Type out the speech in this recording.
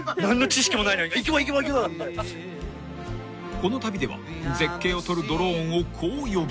［この旅では絶景を撮るドローンをこう呼ぶ］